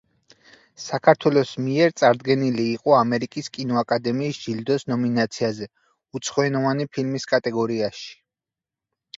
საქართველოს მიერ წარდგენილი იყო ამერიკის კინოაკადემიის ჯილდოს ნომინაციაზე უცხოენოვანი ფილმის კატეგორიაში.